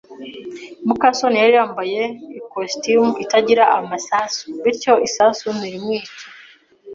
muka soni yari yambaye ikositimu itagira amasasu, bityo isasu ntirimwica.